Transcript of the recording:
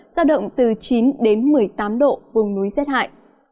giao động từ chín đến một mươi tám độ vùng núi rét hại